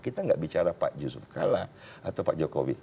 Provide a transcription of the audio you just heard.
kita nggak bicara pak yusuf kalla atau pak jokowi